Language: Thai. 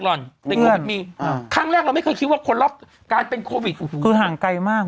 ครั้งแรกเราไม่เคยคิดว่าคนรอบการเป็นโควิดคือห่างไกลมาก